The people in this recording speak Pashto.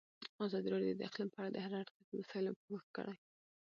ازادي راډیو د اقلیم په اړه د هر اړخیزو مسایلو پوښښ کړی.